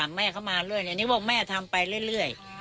เดี๋ยวบอกแม่ทำไปเรื่อย